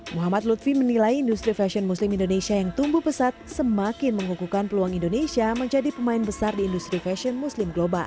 muhammad lutfi menilai industri fashion muslim indonesia yang tumbuh pesat semakin menghukukan peluang indonesia menjadi pemain besar di industri fashion muslim global